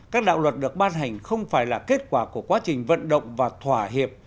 các đạo luật được ban hành không phải là kết quả của quá trình vận động và thỏa hiệp